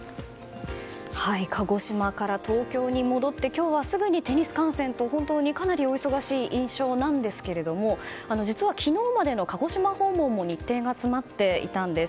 鹿児島から東京に戻って今日はすぐにテニス観戦とかなりお忙しい印象なんですが実は昨日までの鹿児島訪問も日程が詰まっていたんです。